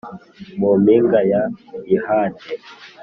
mu mpinga ya yihande